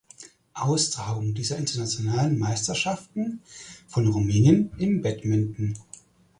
Austragung dieser internationalen Meisterschaften von Rumänien im Badminton.